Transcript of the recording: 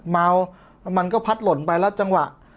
เหมียวเขาพัดหล่นไปแล้ว